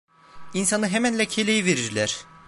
İnsanı hemen lekeleyiverirler.